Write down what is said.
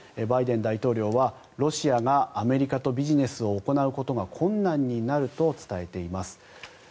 バイデン大統領はロシアがアメリカとビジネスを行うことが困難になると伝えています。